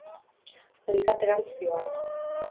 Alicanterantz zihoan.